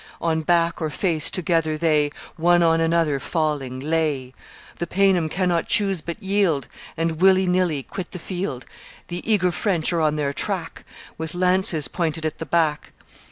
On back or face together they, One on another falling, lay! The Paynim cannot choose but yield, And, willy nilly, quit the field The eager French are on their track, With lances pointed at the back.